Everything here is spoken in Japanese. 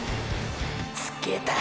つけた！！